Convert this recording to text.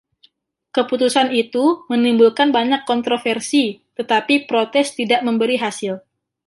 Keputusan itu menimbulkan banyak kontroversi, tetapi protes tidak memberi hasil.